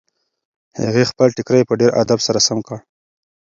هغې خپل ټیکری په ډېر ادب سره سم کړ.